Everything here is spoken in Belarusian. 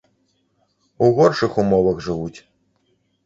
У горшых умовах жывуць.